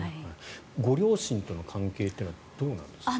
ご両親との関係というのはどうなんですか？